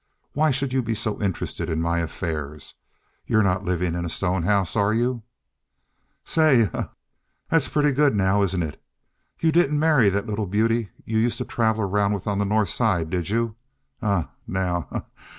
"Why should you be so interested in my affairs? You're not living in a stone house, are you?" "Say, ha! ha! that's pretty good now, isn't it? You didn't marry that little beauty you used to travel around with on the North Side, did you? Eh, now!